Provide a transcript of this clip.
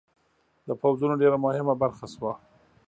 د پوځونو ډېره مهمه برخه شوه.